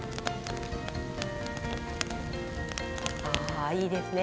ああいいですね